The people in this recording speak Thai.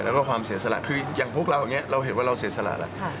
แล้วก็ความเสียสละคืออย่างพวกเราอย่างนี้เราเห็นว่าเราเสียสละ